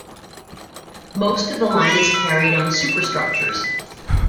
Most of the line is carried on superstructures.